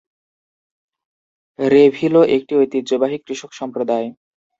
রেভিলো একটি ঐতিহ্যবাহী কৃষক সম্প্রদায়।